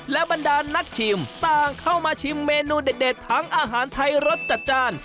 และบรรดานนักชิมต่างเข้ามาชิมเมนูเด็ดทั้งอาหารไทยรสจัดจ้าน